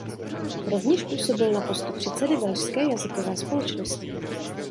Rovněž působil na postu předsedy Velšské jazykové společnosti.